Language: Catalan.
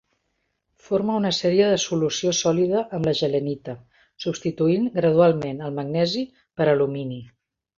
Forma una sèrie de solució sòlida amb la Gehlenita, substituint gradualment el magnesi per alumini.